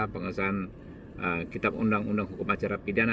pengesahan kitab undang undang hukum acara pidana